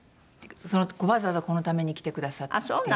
わざわざこのために来てくださって。